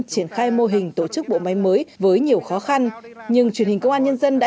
triển khai mô hình tổ chức bộ máy mới với nhiều khó khăn nhưng truyền hình công an nhân dân đã